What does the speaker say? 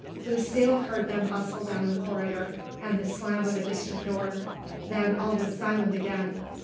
Lucile heard them bustle down the corridor and the slam of a distant door; then all was silent again.